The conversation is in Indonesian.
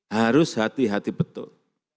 harus hati hati betul